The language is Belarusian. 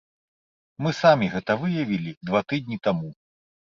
Мы самі гэта выявілі два тыдні таму.